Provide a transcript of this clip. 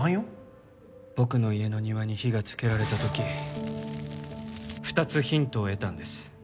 僕の家の庭に火がつけられた時２つヒントを得たんです。